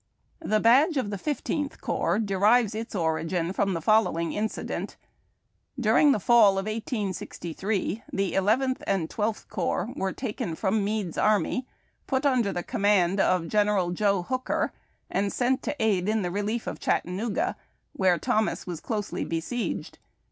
The badge of the Fifteenth Corps derives its origin from the following incident: — During the fall of 1863 the Eleventh and Twelfth Corps were taken from Meade's army, put under tlie command of General Joe Hooker, and sent to aid in the relief of Chattanooga, where Thomas was closely besieged.